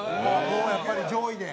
もうやっぱり上位で？